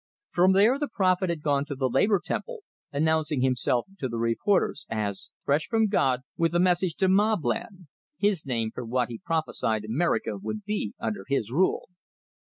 From there the prophet had gone to the Labor Temple, announcing himself to the reporters as "fresh from God," with a message to "Mobland," his name for what he prophesied America would be under his rule.